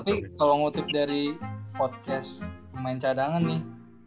tapi kalau ngutip dari podcast rumah yang cadangan nih